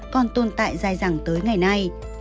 còn tồn tại dài dẳng tới ngày nay